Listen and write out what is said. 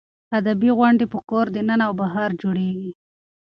ادبي غونډې په کور دننه او بهر جوړېږي.